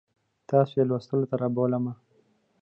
تاسو یې لوستو ته رابولم.